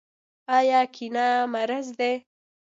آیا کینه مرض دی؟